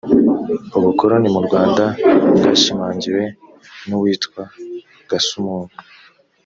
ubukoroni mu rwanda bwashimangiwe n’uwitwa gasumuni